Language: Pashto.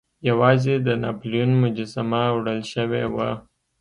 یوازې د ناپلیون مجسمه وړل شوې وه.